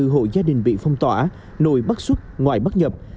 bảy trăm bảy mươi bốn hộ gia đình bị phong tỏa nội bắt xuất ngoại bắt nhập